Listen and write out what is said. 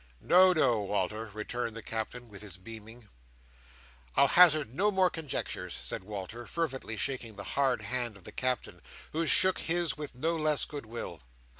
"No, no, Wal"r," returned the Captain, with his beaming "I'll hazard no more conjectures," said Walter, fervently shaking the hard hand of the Captain, who shook his with no less goodwill.